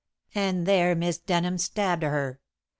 "And there Miss Denham stabbed her.